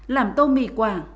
làm tôm mì quả